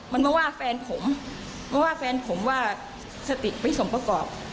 มันไม่ว่าแฟนผมว่าสติไม่สมประกอบ